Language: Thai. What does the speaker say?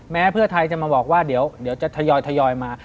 เพื่อไทยจะมาบอกว่าเดี๋ยวจะทยอยมา